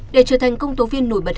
để trở thành công tố viên nổi bật